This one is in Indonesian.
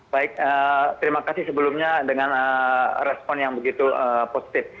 baik terima kasih sebelumnya dengan respon yang begitu positif